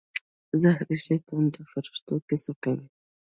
زهري شیطان د فرښتو کیسه کوي.